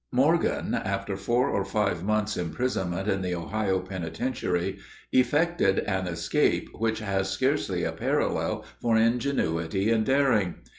Morgan, after four or five months' imprisonment in the Ohio penitentiary, effected an escape which has scarcely a parallel for ingenuity and daring.